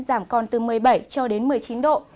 giảm còn từ một mươi bảy cho đến một mươi chín độ